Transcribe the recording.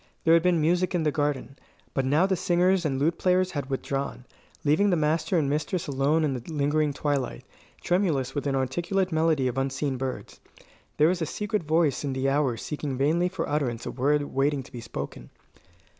There had been music in the garden; but now the singers and lute players had withdrawn, leaving the master and mistress alone in the lingering twilight, tremulous with inarticulate melody of unseen birds. There was a secret voice in the hour seeking vainly for utterance a word waiting to be spoken.